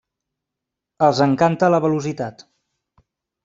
Els encanta la velocitat.